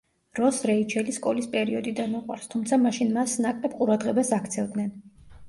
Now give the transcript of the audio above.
როსს რეიჩელი სკოლის პერიოდიდან უყვარს, თუმცა მაშინ მასს ნაკლებ ყურადღებას აქცევდნენ.